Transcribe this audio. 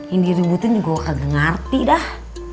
ini ributin gue gak ngerti dah